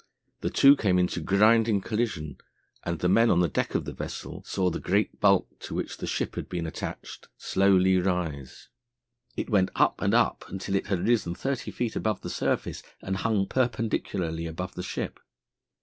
The two came into grinding collision and the men on the deck of the vessel saw the great bulk to which the ship had been attached slowly rise. It went up and up until it had risen thirty feet above the surface and hung perpendicularly above the ship.